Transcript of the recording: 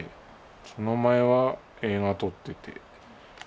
その前は映画撮ってて。